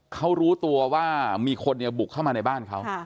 เขารู้ตัวว่ามีคนบุกเข้ามาในบ้านเขา